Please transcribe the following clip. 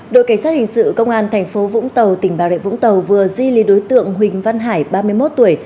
đội cảnh sát hình sự công an tp vũng tàu tỉnh bảo đệ vũng tàu vừa di lý đối tượng huỳnh văn hải ba mươi một tuổi